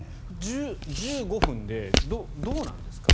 １５分でどうなんですか？